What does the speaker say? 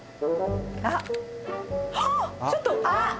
あっちょっとあっ！